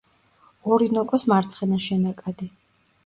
ორინოკოს მარცხენა შენაკადი.